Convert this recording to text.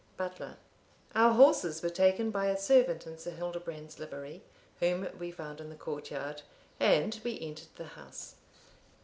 Butler. Our horses were taken by a servant in Sir Hildebrand's livery, whom we found in the court yard, and we entered the house.